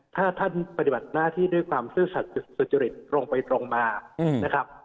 ถ้าท่านปฏิบัติหน้าที่ด้วยความซื่อสัจสุจริตลงไปลงมา